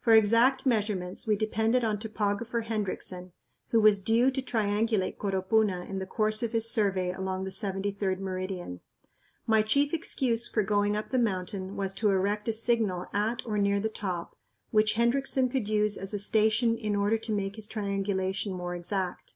For exact measurements we depended on Topographer Hendriksen, who was due to triangulate Coropuna in the course of his survey along the 73d meridian. My chief excuse for going up the mountain was to erect a signal at or near the top which Hendriksen could use as a station in order to make his triangulation more exact.